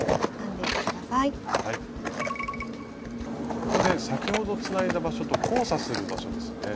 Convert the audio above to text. ここで先ほどつないだ場所と交差する場所ですね。